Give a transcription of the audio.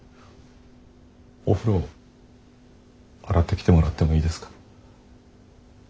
お風呂洗ってきてもらってもいいですか？